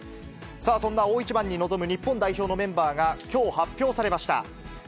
さあ、そんな大一番に臨む日本代表のメンバーがきょう、発表されました。